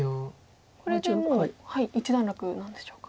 これでもう一段落なんでしょうか。